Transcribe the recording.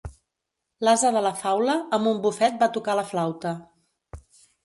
L'ase de la faula amb un bufet va tocar la flauta.